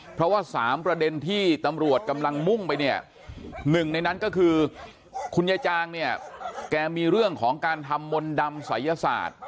เพราะว่า๓ประเด็นที่ตำรวจกำลังมุ่งไปเนี่ยหนึ่งในนั้นก็คือคุณยายจางเนี่ยแกมีเรื่องของการทำมนต์ดำศัยศาสตร์